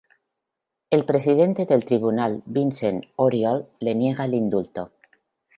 El presidente del tribunal, Vincent Auriol, le niega el indulto.